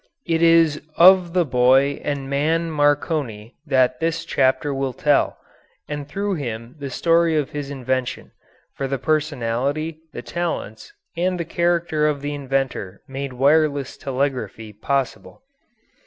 It is of the boy and man Marconi that this chapter will tell, and through him the story of his invention, for the personality, the talents, and the character of the inventor made wireless telegraphy possible.